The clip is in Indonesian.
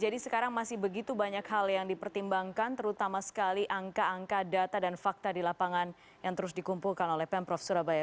jadi sekarang masih begitu banyak hal yang dipertimbangkan terutama sekali angka angka data dan fakta di lapangan yang terus dikumpulkan oleh pemprov surabaya